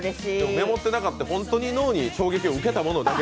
メモってなくて、本当に脳に衝撃を受けたものだけ。